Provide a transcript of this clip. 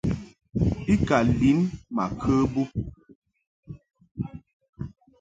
I ka lin ma kə bub.